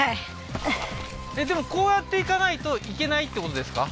えっでもこうやって行かないと行けないってことですか？